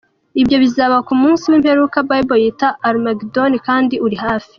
Ibyo bizaba ku munsi w’imperuka Bible yita Armageddon kandi uri hafi.